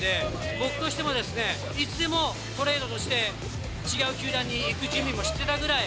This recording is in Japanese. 僕としてもいつでも、トレードとして、違う球団に行く準備もしてたぐらい。